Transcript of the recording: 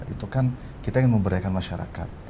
itu kan kita ingin memberdayakan masyarakat